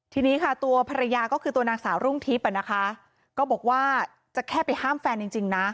ทีนี้ค่ะตัวภรรยาก็คือตัวนางสาวรุ่งทิพย์อ่ะนะคะก็บอกว่าจะแค่ไปห้ามแฟนจริงนะ